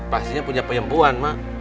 pastinya punya pembohon mak